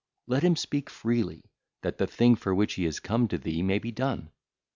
Let him speak freely, that the thing for which he hath come to thee may be done.